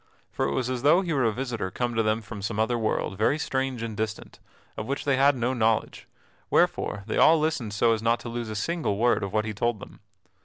For it was as though he were a visitor come to them from some other world, very strange and distant, of which they had no knowledge, wherefore they all listened so as not to lose a single word of what he told them.